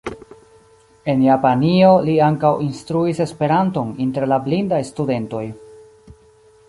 En Japanio li ankaŭ instruis Esperanton inter la blindaj studentoj.